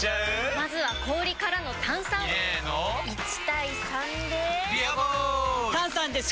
まずは氷からの炭酸！入れの１：３で「ビアボール」！